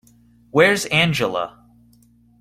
Where's Angela?